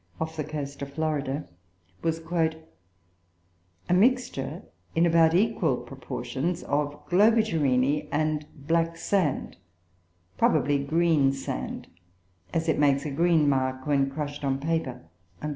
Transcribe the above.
off the Coast of Florida, was "a mixture, in about equal proportions, of Globigerinoe and black sand, probably greensand, as it makes a green mark when crushed on paper."